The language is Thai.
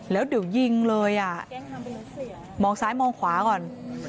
แล้วเดี๋ยวยิงเลยอ่ะมองซ้ายมองขวาก่อน